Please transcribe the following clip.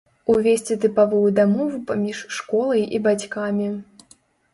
Увесці тыпавую дамову паміж школай і бацькамі.